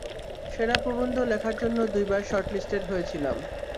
সেরা প্রবন্ধ লেখার জন্য দুইবার শর্টলিস্টেড হয়েছিলাম।